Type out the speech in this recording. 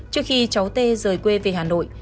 trước khi cháu t rời quê về hà nội